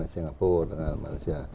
singapura dengan malaysia